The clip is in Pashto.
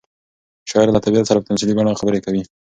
شاعر له طبیعت سره په تمثیلي بڼه خبرې کوي.